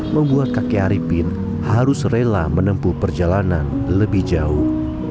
membuat kakek arifin harus rela menempuh perjalanan lebih jauh